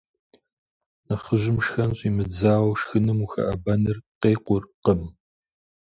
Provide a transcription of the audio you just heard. Нэхъыжьым шхэн щӏимыдзауэ шхыным ухэӏэбэныр къеукӏуркъым.